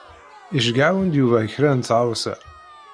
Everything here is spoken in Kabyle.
Iceyyeɛ-awen-d Yuba kra n tɣawsa.